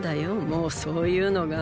もうそういうのが。